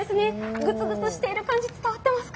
ぐつぐつしている感じ伝わってますか？